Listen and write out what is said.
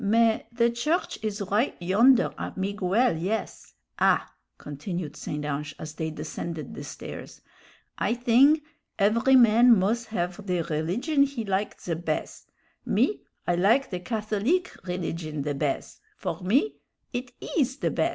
"Mais, the church is right yonder at Miguel', yes. Ah!" continued St. Ange, as they descended the stairs, "I thing every man muz have the rilligion he like the bez me, I like the Catholique rilligion the bez for me it is the bez.